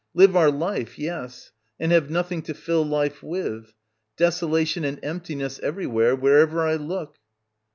] Live our life, yes I And have nothing to fill life with. Deso i^lation and emptiness everywhere — wherever I look.